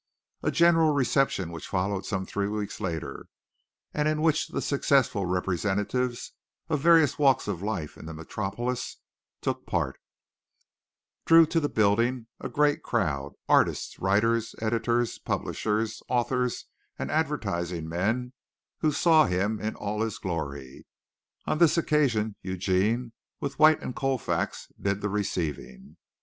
A general reception which followed some three weeks later, and in which the successful representatives of various walks of life in the metropolis took part, drew to the building a great crowd, artists, writers, editors, publishers, authors and advertising men who saw him in all his glory. On this occasion, Eugene, with White and Colfax did the receiving.